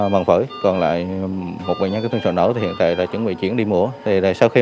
bằng phở còn lại một bệnh nhân chấn thương sầu nổ thì hiện tại đã chuẩn bị chuyển đi mũa sau khi